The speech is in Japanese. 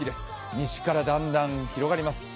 西からだんだん広がります。